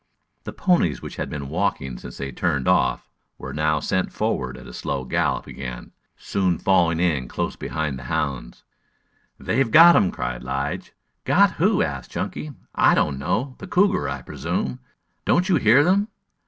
The ponies, which had been walking since they turned off, were now sent forward at a slow gallop again, soon falling in close behind the hounds. "They've got him!" cried Lige. "Got who?" asked Chunky. "I don't know. The cougar, I presume. Don't you hear them?"